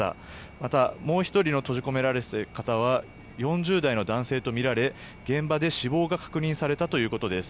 また、もう１人の閉じ込められていた方は４０代の男性とみられ現場で死亡が確認されたということです。